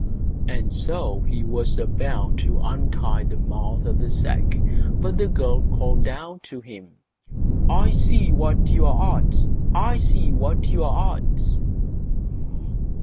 And so he was about to untie the mouth of the sack, but the girl called out to him: I see what you're at! I see what you're at!